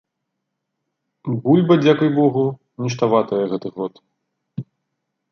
Бульба, дзякуй богу, ніштаватая гэты год.